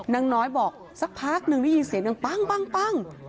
นางน้อยบอกสักพักหนึ่งได้ยินเสียงดังปั้ง